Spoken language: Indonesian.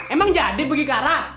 emang jadi pergi ke arab